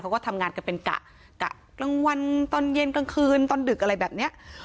เขาก็ทำงานกันเป็นกะกลางวันตอนเย็นกลางคืนตอนดึกอะไรแบบเนี้ย